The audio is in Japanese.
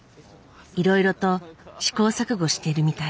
いろいろと試行錯誤してるみたい。